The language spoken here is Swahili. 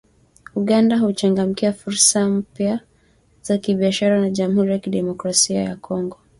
Uganda huchangamkia fursa mpya za kibiashara na Jamhuri ya Kidemokrasia ya Kongo